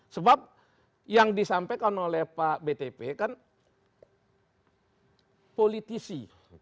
sebab yang disampaikan oleh pak btp kan politisi